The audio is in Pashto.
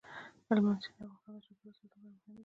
هلمند سیند د افغانستان د چاپیریال ساتنې لپاره مهم دي.